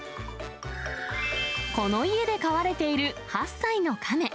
この家で飼われている８歳の亀。